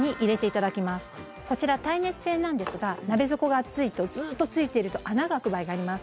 こちら耐熱性なんですが鍋底が熱いとずっとついてると穴が開く場合があります。